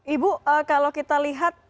ibu kalau kita lihat